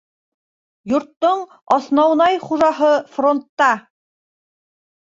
Йорттоң аснаунай хужаһы фронтта!